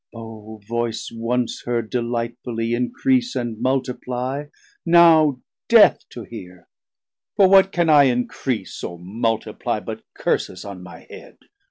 O voice once heard Delightfully, Encrease And Multiply, 730 Now death to heare! for what can I encrease Or multiplie, but curses on my head?